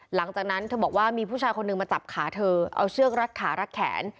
หลังจากนั้นเธอบอกว่ามีผู้ชายคนหนึ่งมาจับขาเธอเอาเชือกรัดขารัดแขน